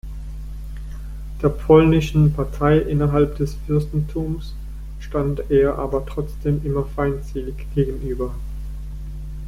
Der polnischen Partei innerhalb des Fürstentums stand er aber trotzdem immer feindselig gegenüber.